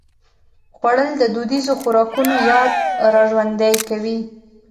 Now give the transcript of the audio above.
خوړل د دودیزو خوراکونو یاد راژوندي کوي